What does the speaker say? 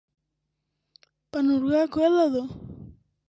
Πανουργάκο, έλα δω!